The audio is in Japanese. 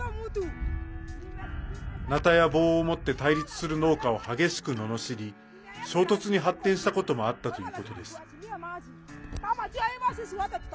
なたや棒を持って対立する農家を激しくののしり衝突に発展したこともあったということです。